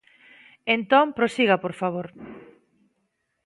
Entón, prosiga, por favor.